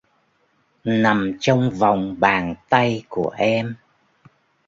Nằm trong vòng Bàn Tay Của Em